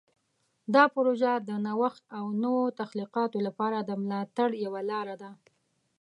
دا پروژه د نوښت او نوو تخلیقاتو لپاره د ملاتړ یوه لاره ده.